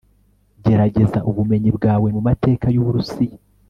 gerageza ubumenyi bwawe mumateka yuburusiya